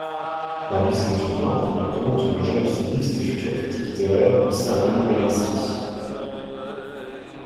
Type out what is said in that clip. Parmi ses étudiants, il compte le jeune activiste et futur critique littéraire Vissarion Belinski.